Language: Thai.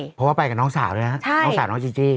เพราะว่าไปกับน้องสาวด้วยนะน้องสาวน้องจีจี้